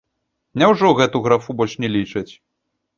Няўжо гэту графу больш не лічаць?